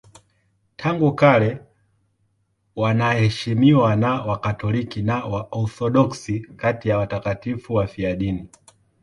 Tangu kale wanaheshimiwa na Wakatoliki na Waorthodoksi kati ya watakatifu wafiadini.